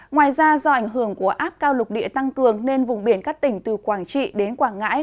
ngoài ra do ảnh hưởng của áp cao lục địa tăng cường nên vùng biển các tỉnh từ quảng trị đến quảng ngãi